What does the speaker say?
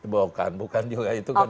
bukan bukan juga itu